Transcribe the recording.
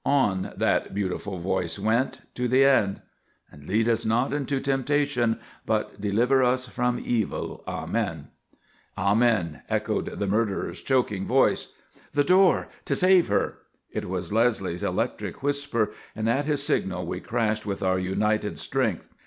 On that beautiful voice went to the end: "And lead us not into temptation; but deliver us from evil. Amen." "Amen!" echoed the murderer's choking voice. "The door! To save her!" It was Leslie's electric whisper, and at his signal we crashed with our united strength.